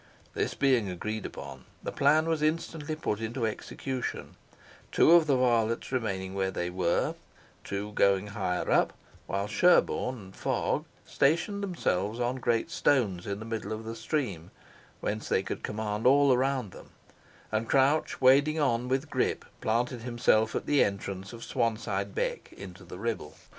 This being agreed upon, the plan was instantly put into execution two of the varlets remaining where they were two going higher up; while Sherborne and Fogg stationed themselves on great stones in the middle of the stream, whence they could command all around them, and Crouch, wading on with Grip, planted himself at the entrance of Swanside Beck into the Ribble.